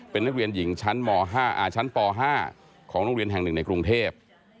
เป็นนักเรียนหญิงชั้นมชั้นป๕ของโรงเรียนแห่งหนึ่งในกรุงเทพ